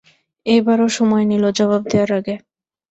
এবার ও সময় নিল জবাব দেয়ার আগে।